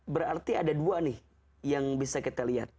berarti ada dua nih yang bisa kita lihat